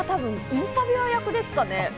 インタビュアー役ですかね。